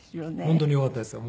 本当によかったですよ。